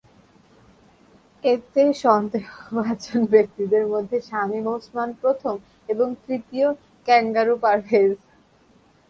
এতে সন্দেহভাজন ব্যক্তিদের মধ্যে শামীম ওসমান প্রথম এবং তৃতীয় ক্যাঙ্গারু পারভেজ।